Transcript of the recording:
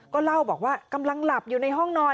ก็เล่าบอกว่ากำลังหลับอยู่ในห้องนอน